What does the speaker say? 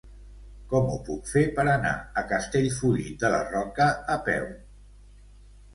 Com ho puc fer per anar a Castellfollit de la Roca a peu?